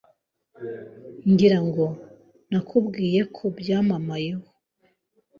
Ngira ngo nabikubwiye ko byambayeho